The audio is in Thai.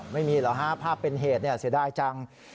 ไม่มีเหรอฮะภาพเป็นเหตุเสียดายจัง